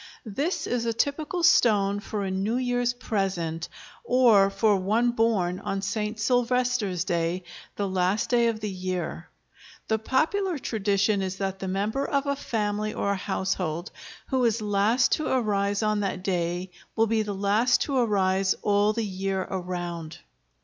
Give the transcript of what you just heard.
This is a typical stone for a New Year's present or for one born on St. Sylvester's Day, the last day of the year. The popular tradition is that the member of a family or a household who is last to arise on that day will be the last to arise all the year around.